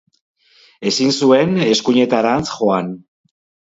Ezin zuen eskuinetarantz joan.